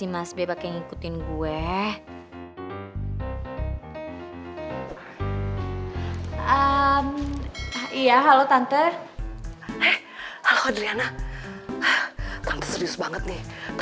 mas aku ajakin angkat